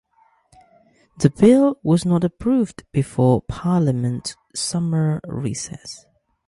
The bill was not approved before parliament's summer recess.